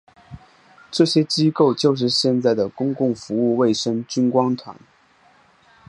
这机构就是现在的公共卫生服务军官团。